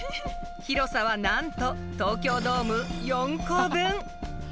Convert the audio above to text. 広さはなんと、東京ドーム４個分。